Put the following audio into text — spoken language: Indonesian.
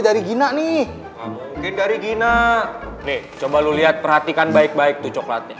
dari gina nih gina dari gina nih coba lu lihat perhatikan baik baik tuh coklatnya